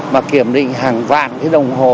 mà kiểm định hàng vạn cái đồng hồ